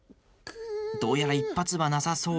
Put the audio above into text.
どうやら一発はなさそう。